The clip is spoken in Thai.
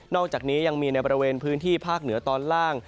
อกจากนี้ยังมีในบริเวณพื้นที่ภาคเหนือตอนล่าง